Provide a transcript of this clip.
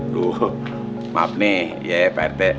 duh maaf nih ya pak rt